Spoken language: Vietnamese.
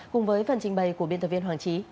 cùng với phần trình bày của biên tập viên hoàng trí